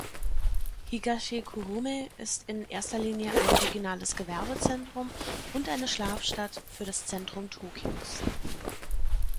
Higashikurume ist in erster Linie ein regionales Gewerbezentrum und eine Schlafstadt für das Zentrum Tokios.